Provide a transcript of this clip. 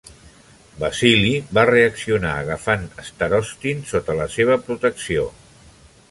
Vasily va reaccionar agafant Starostin sota la seva protecció.